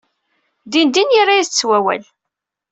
Din din yerra-as-d s wawal.